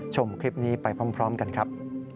ชมคลิปนี้ไปพร้อมกันครับ